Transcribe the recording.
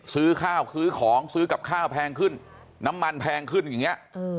ซื้อข้าวซื้อของซื้อกับข้าวแพงขึ้นน้ำมันแพงขึ้นอย่างนี้